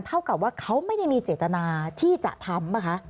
เท่ากับว่าเขาไม่ได้มีเจตนาที่จะทำป่ะคะ